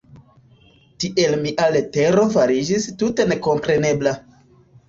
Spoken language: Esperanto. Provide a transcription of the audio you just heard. Tiel mia letero fariĝis tute nekomprenebla.